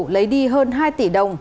lấy đi hơn hai tỷ đồng